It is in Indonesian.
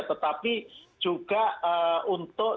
tetapi juga untuk